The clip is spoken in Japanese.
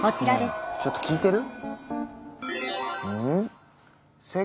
ねえちょっと聞いてる？